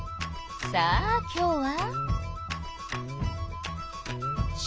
さあきょうは。